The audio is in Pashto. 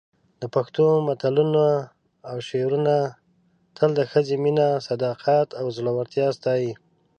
د پښتو متلونه او شعرونه تل د ښځې مینه، صداقت او زړورتیا ستایي.